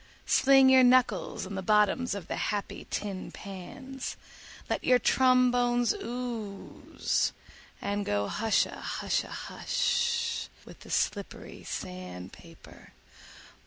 Sling your knuckles on the bottoms of the happy tin pans, let your trombones ooze, and go hushahusha hush with the slippery sand paper.